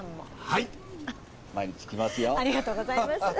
はい。